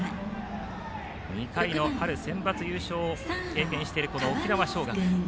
２回の春センバツ優勝を経験している沖縄尚学。